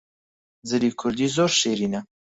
جلی کوردی زۆر شیرینە